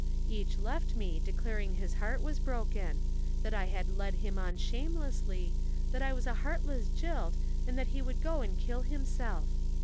Each left me, declaring his heart was broken, that I had led him on shamelessly, that I was a heartless jilt and that he would go and kill himself.